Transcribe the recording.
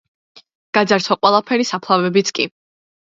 გაიძარცვა ყველაფერი, საფლავებიც კი.